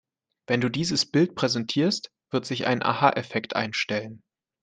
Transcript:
Wenn du dieses Bild präsentierst, wird sich ein Aha-Effekt einstellen.